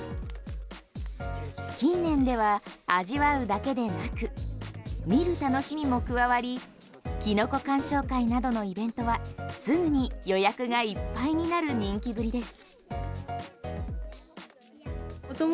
近年では味わうだけでなく見る楽しみも加わりキノコ鑑賞会などのイベントはすぐに予約がいっぱいになる人気ぶりです。